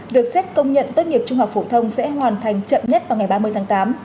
việc xét công nhận tốt nghiệp trung học phổ thông sẽ hoàn thành chậm nhất vào ngày ba mươi tháng tám